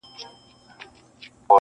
د حاجتمندو حاجتونه راځي -